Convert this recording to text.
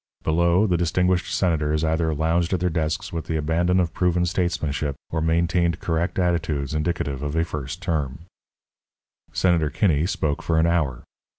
Below, the distinguished Senators either lounged at their desks with the abandon of proven statesmanship or maintained correct attitudes indicative of a first term. Senator Kinney spoke for an hour.